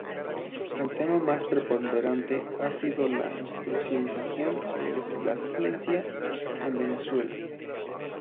El tema más preponderante ha sido la institucionalización de la ciencia en Venezuela.